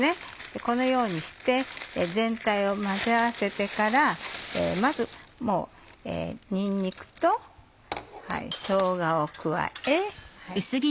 このようにして全体を混ぜ合わせてからまずにんにくとしょうがを加え。